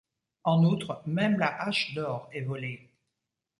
En outre, même la Hache d'or est volée.